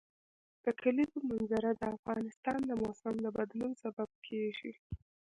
د کلیزو منظره د افغانستان د موسم د بدلون سبب کېږي.